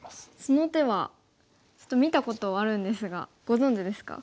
その手は見たことあるんですがご存じですか？